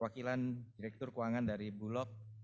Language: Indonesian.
wakilan direktur keuangan dari bulog